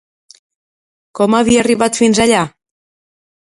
Com havia arribat fins allà?